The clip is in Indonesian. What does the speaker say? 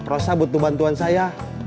rosa butuh bantuan saya